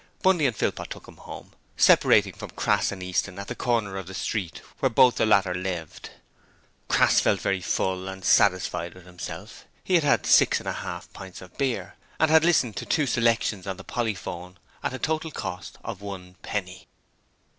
Bundy and Philpot took him home, separating from Crass and Easton at the corner of the street where both the latter lived. Crass felt very full and satisfied with himself. He had had six and a half pints of beer, and had listened to two selections on the polyphone at a total cost of one penny.